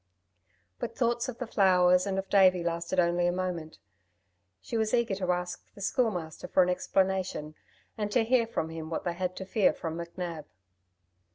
But thought of the flowers and of Davey lasted only a moment. She was eager to ask the Schoolmaster for an explanation, and to hear from him what they had to fear from McNab.